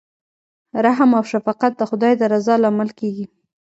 رحم او شفقت د خدای د رضا لامل کیږي.